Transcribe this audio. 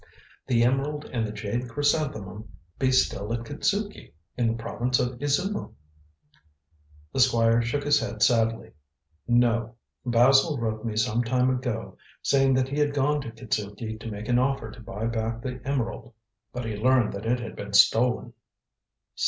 "The emerald and the jade chrysanthemum may be still at Kitzuki, in the province of Izumo." The Squire shook his head sadly. "No. Basil wrote me some time ago, saying that he had gone to Kitzuki to make an offer to buy back the emerald, but he learned that it had been stolen."